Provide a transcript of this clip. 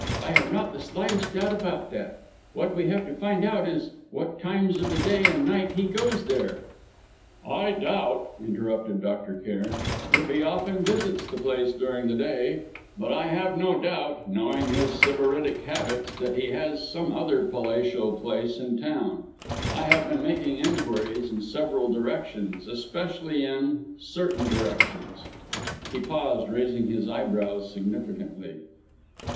I have not the slightest doubt about that. What we have to find out is at what times of the day and night he goes there " "I doubt," interrupted Dr. Cairn, "if he often visits the place during the day. As you know, he has abandoned his rooms in Piccadilly, but I have no doubt, knowing his sybaritic habits, that he has some other palatial place in town. I have been making inquiries in several directions, especially in certain directions " He paused, raising his eyebrows, significantly.